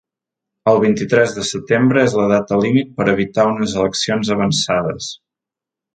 El vint-i-tres de setembre és la data límit per a evitar unes eleccions avançades.